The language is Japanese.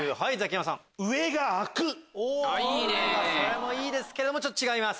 それもいいですけども違います。